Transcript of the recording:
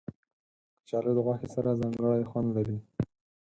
کچالو د غوښې سره ځانګړی خوند لري